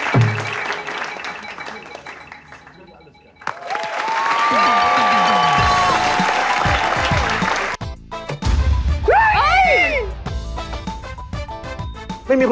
สักอย่างได้เนี่ย